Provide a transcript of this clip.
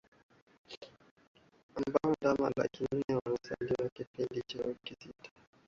ambapo ndama laki nne huzaliwa katika kipindi cha wiki sita